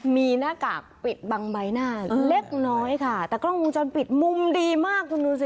มีหน้ากากปิดบังใบหน้าเล็กน้อยค่ะแต่กล้องวงจรปิดมุมดีมากคุณดูสิ